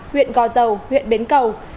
huyện gò dầu huyện bến cầu